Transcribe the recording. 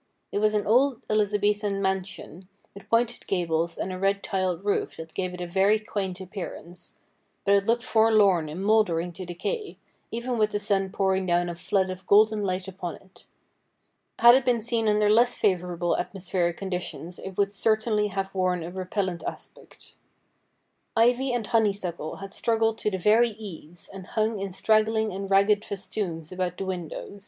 It was an old Elizabethan mansion, with pointed gables and a red tiled roof that gave it a very quaint appearance ; but it looked for lorn and mouldering to decay, even with the sun pouring down a flood of golden light upon it. Had it been seen under less favourable atmospheric conditions it would certainly have worn a repellent aspect. Ivy and honeysuckle had struggled to the very'eaves, and hung in straggling and ragged festoons about the windows.